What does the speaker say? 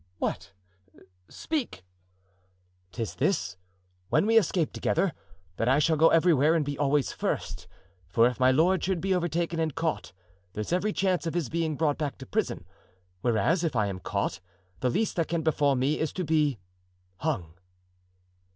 "What! speak!" "'Tis this: when we escape together, that I shall go everywhere and be always first; for if my lord should be overtaken and caught, there's every chance of his being brought back to prison, whereas if I am caught the least that can befall me is to be—hung."